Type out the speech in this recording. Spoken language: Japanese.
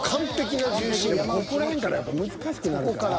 ［ここら辺からやっぱ難しくなるから］